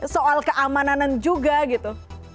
soal keamanan juga gitu